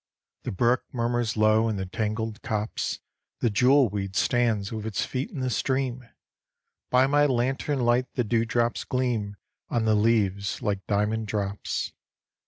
The brook murmurs low in the tangled copse, The jewel weed stands with its feet in the stream, By my lantern light the dew drops gleam On the leaves like diamond drops.